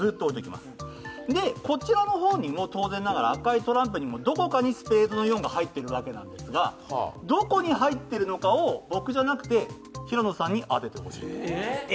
こちらの方にも当然ながら赤いトランプにもどこかにスペードの４が入っているはずなんですがどこに入っているのかを、僕じゃなくて平野さんに当ててほしい。